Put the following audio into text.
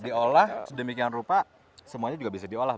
diolah sedemikian rupa semuanya juga bisa diolah